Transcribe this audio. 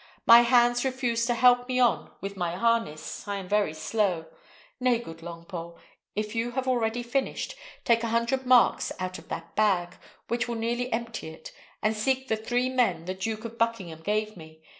My hands refuse to help me on with my harness: I am very slow. Nay, good Longpole, if you have already finished, take a hundred marks out of that bag, which will nearly empty it, and seek the three men the Duke of Buckingham gave me.